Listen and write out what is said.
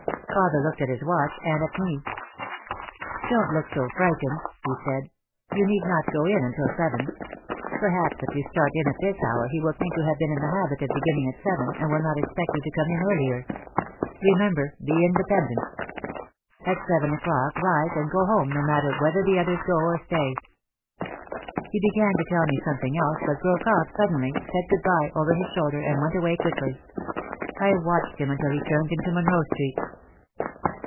Father looked at his watch and at me. OUT OF THE SHADOW 109 "Don't look so frightened/' he said. "You need not go in until seven. Perhaps if you start in at this hour he will think you have been in the habit of beginning at seven and will not expect you to come in earlier. Re member, be independent. At seven o'clock rise and go home no matter whether the others go or stay." He began to tell me something else but broke off sud denly, said "good bye" over his shoulder and went away quickly. I watched him until he turned into Monroe Street.